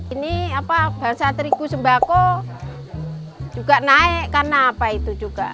ini apa bahasa terigu sembako juga naik karena apa itu juga